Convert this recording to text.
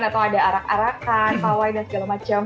atau ada arak arakan pawai dan segala macam